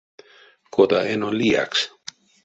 Кода эно лиякс?